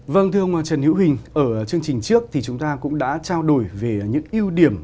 vâng thưa ông trần hữu hình ở chương trình trước thì chúng ta cũng đã trao đổi về những ưu điểm